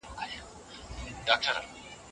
والدين د اولاد په ژوند کي مداخله څنګه کوي؟